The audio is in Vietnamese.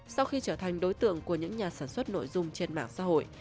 sau khi trở thành đối tượng của những nhà sản xuất nội dung trên mạng xã hội